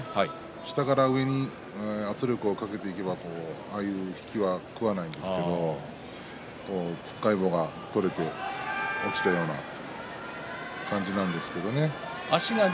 下から上に圧力をかけていけばああいう引きは食わないんですけれどもつっかい棒が取れて落ちて取れたような感じなんですけれどもね。